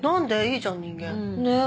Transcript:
いいじゃん人間。ねぇ。